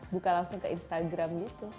buka langsung ke instagram